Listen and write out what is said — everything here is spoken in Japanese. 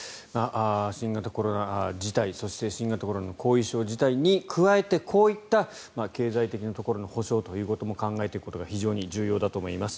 新型コロナ自体そして新型コロナの後遺症自体にこういった経済的なところの補償も考えていくことが非常に重要だと思います。